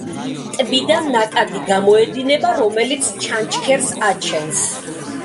ტბიდან ნაკადი გამოედინება, რომელიც ჩანჩქერს აჩენს.